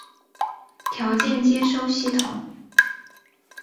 条件接收系统。